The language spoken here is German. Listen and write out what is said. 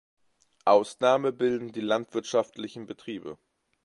Ausnahme bilden die landwirtschaftlichen Betriebe.